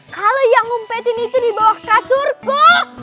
kalau yang ngumpetin itu di bawah kasurku